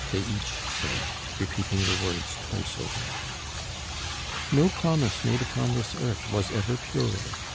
they each said, repeating the words twice over. No promise made upon this earth was ever purer.